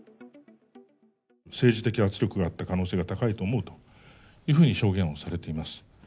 政治的圧力があった可能性が高いと思うというふうに証言をされています。